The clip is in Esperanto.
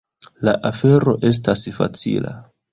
La afero estas facila.